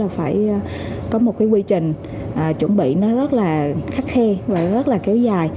phải có một quy trình chuẩn bị rất khắc khe và rất kéo dài